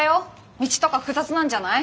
道とか複雑なんじゃない？